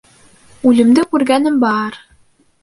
— Үлемде күргәнем бар...